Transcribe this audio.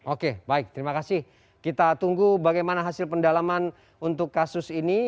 oke baik terima kasih kita tunggu bagaimana hasil pendalaman untuk kasus ini